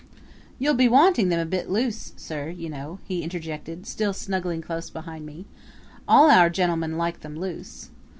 "You'll be wanting them a bit loose, sir, you know," he interjected, still snuggling close behind me. "All our gentlemen like them loose."